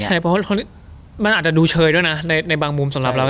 ใช่เพราะว่ามันอาจจะดูเชยด้วยนะในบางมุมสำหรับเรา